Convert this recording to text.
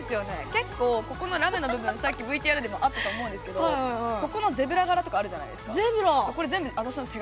結構、ラメの部分さっきＶＴＲでもあったと思うんですけどここのゼブラ柄とかあるじゃないですか。